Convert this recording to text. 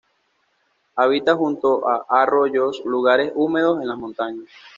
Habita junto a arroyos, lugares húmedos en las montañas.